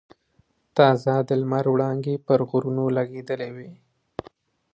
تازه د لمر وړانګې پر غرونو لګېدلې وې.